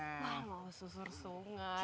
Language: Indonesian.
wah mau susur sungai